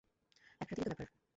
এক রাতেরই তো ব্যাপার।